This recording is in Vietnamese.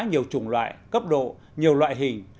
nhiều chủng loại cấp độ nhiều loại hình